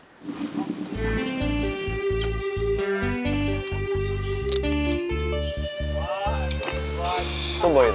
itu boy itu